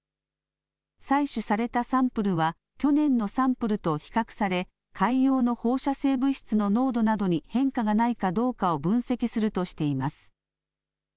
採取されたサンプルは去年のサンプルと比較され海洋の放射性物質の濃度などに変化がないかどうかを分析するとしています。